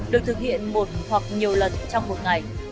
được thực hiện một hoặc nhiều lần trong một ngày